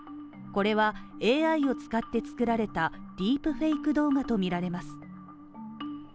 これはＡＩを使って作られたディープフェイク動画とみられます。